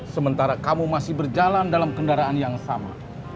sementara kamu masih berjalan dalam kendaraan yang sama